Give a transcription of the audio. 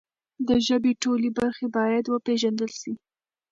د ژبې ټولې برخې باید وپیژندل سي.